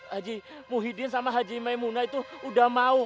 haji muhyiddin sama haji maimuna itu udah mau